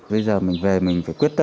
bây giờ mình về mình phải quyết tâm